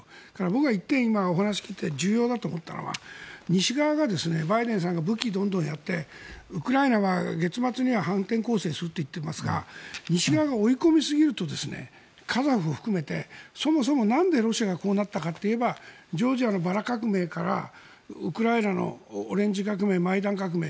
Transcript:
僕が１点お話聞いていて重要だと思ったのは西側が、バイデンさんが武器をどんどんやってウクライナが月末には反転攻勢するといっていますが西側が追い込みすぎるとカザフを含めてそもそもなんでロシアがこうなったかって言ったらジョージアのバラ革命からウクライナのオレンジ革命マイダン革命